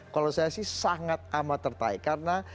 kalau saya sih sangat amat tertarik karena